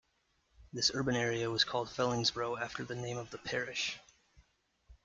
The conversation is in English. This urban area was called Fellingsbro after the name of the parish.